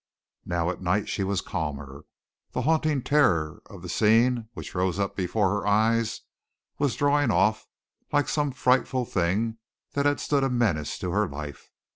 Now, at night, she was calmer, the haunting terror of the scene which rose up before her eyes was drawing off, like some frightful thing that had stood a menace to her life.